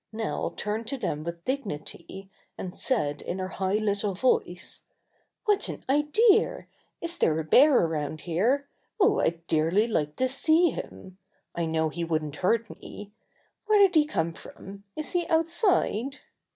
Nell turned to them with dignity, and said in her high little voice : "What an idea! Is there a bear around here? Oh, I'd dearly like to see him! I know he wouldn't hurt me! Where did he come from? Is he outside?"